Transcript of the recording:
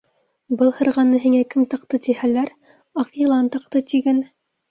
Был һырғаны һиңә кем таҡты тиһәләр, Аҡ йылан таҡты тиген.